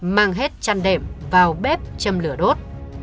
mang hết chăn đệm vào bếp châm lửa đốt